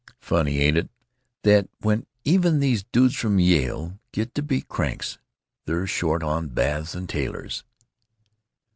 Funny, ain't it, that when even these dudes from Yale get to be cranks they're short on baths and tailors?"